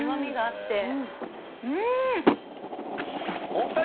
お二人！